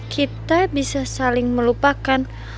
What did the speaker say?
kita bisa saling melupakan